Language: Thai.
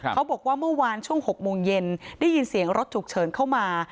เขาบอกว่าเมื่อวานช่วงหกโมงเย็นได้ยินเสียงรถจุกเฉินเข้ามา